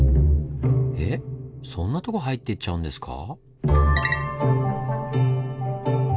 えっそんなとこ入ってっちゃうんですか？